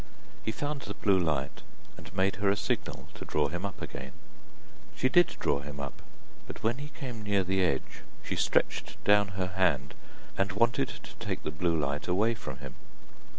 He found the blue light, and made her a signal to draw him up again. She did draw him up, but when he came near the edge, she stretched down her hand and wanted to take the blue light away from him.